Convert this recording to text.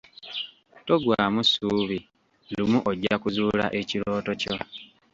Toggwaamu ssuubi, lumu ojja kuzuula ekirooto kyo.